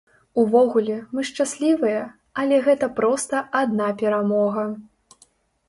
Увогуле, мы шчаслівыя, але гэта проста адна перамога.